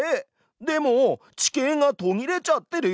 でも地形がとぎれちゃってるよ。